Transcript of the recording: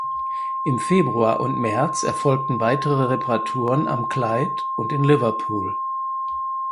Im Februar und März erfolgten weitere Reparaturen am Clyde und in Liverpool.